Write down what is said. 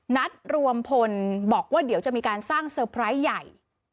นัดรวมพลบอกว่าเดี๋ยวจะมีการสร้างเซอร์ไพรส์ใหญ่